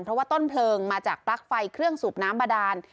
เพราะว่าต้นเพลิงมาจากปลั๊กไฟเครื่องสูบน้ำบาดาน